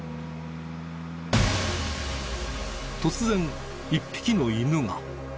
突然一匹の犬が。